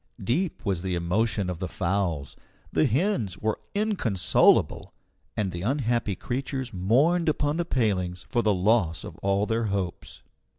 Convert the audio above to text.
Deep was the emotion of the fowls. The hens were inconsolable, and the unhappy creatures mourned upon the palings for the loss of all their hopes.